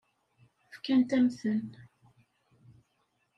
Fkant-am-ten.